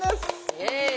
イエイ。